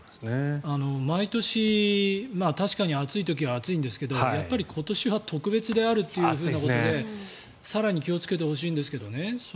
毎年確かに暑い時は暑いんですがやっぱり今年は特別であるということで更に気をつけてほしいんですけどね。